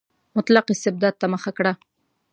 مطلق استبداد ته مخه کړه.